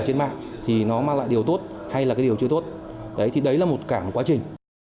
trên mạng thì nó mang lại điều tốt hay là cái điều chưa tốt đấy thì đấy là một cả một quá trình